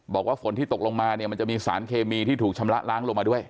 บอกว่าฝนที่ตกลงมาเนี่ยมันจะมีสารเคมีที่ถูกชำระล้างลงมาด้วย